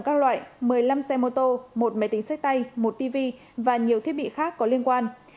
các loại một mươi năm xe mô tô một máy tính sách tay một tv và nhiều thiết bị khác có liên quan